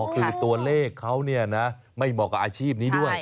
อ๋อคือตัวเลขเขาเนี่ยนะไม่เหมาะกับอาชีพนี้ด้วย